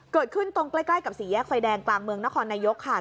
เกิดขึ้นตรงใกล้กับสี่แยกไฟแดงกลางเมืองนครนายกค่ะ